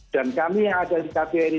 dan kami yang ada di kpr ini